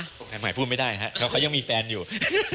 แฟนใหม่พูดไม่ได้เขายังมีแฟนอยู่